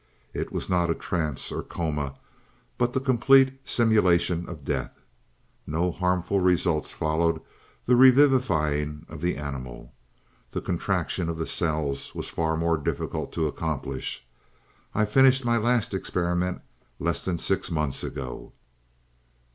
It was not a trance or coma, but the complete simulation of death. No harmful results followed the revivifying of the animal. The contraction of the cells was far more difficult to accomplish; I finished my last experiment less than six months ago."